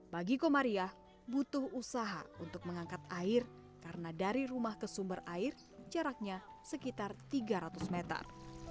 bagi komariah butuh usaha untuk mengangkat air karena dari rumah ke sumber air jaraknya sekitar tiga ratus meter